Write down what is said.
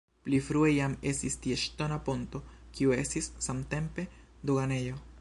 Pli frue jam estis tie ŝtona ponto, kiu estis samtempe doganejo.